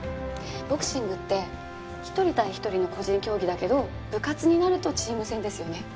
ボクシングって一人対一人の個人競技だけど部活になるとチーム戦ですよね？